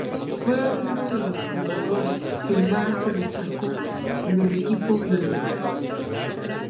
Fue uno de los jugadores que más se destacó en el equipo violeta.